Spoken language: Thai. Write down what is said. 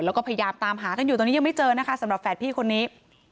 แล้วก็พยายามตามหากันอยู่ตอนนี้ยังไม่เจอนะคะสำหรับแฝดพี่คนนี้